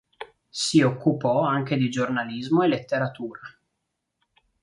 Si occupò anche di giornalismo e letteratura.